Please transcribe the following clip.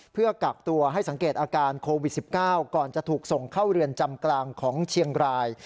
เพื่อกักตัวให้สังเกตอาการโควิด๑๙ก่อนจะถูกส่งเข้าเรือนจำกลางของเชียงราย